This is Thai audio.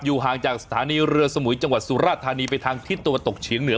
ห่างจากสถานีเรือสมุยจังหวัดสุราธานีไปทางทิศตะวันตกเฉียงเหนือ